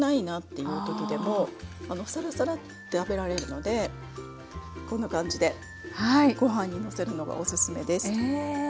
さらさらって食べられるのでこんな感じでご飯にのせるのがおすすめです。